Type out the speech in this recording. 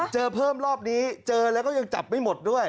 เจอเพิ่มรอบนี้เจอแล้วก็ยังจับไม่หมดด้วย